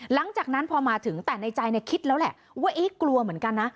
หลังจากนั้นพอมาถึงแต่ในใจคิดแล้วแหละว่าเอ๊ะกลัวเหมือนกันนะ